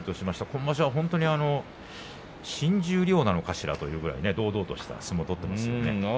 今場所は新十両なのかしらというぐらい堂々とした相撲を取っていますね。